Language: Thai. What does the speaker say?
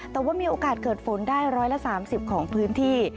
แต่ว่ามีโอกาสเกิดฝนได้๑๓๐ของพื้นที่